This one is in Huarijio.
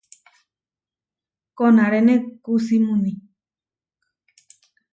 Konaréne kusímuni.